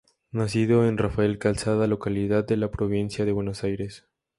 Nacido en Rafael Calzada, localidad de la Provincia de Buenos Aires.